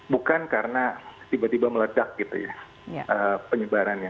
bukan karena tiba tiba meledak penyebarannya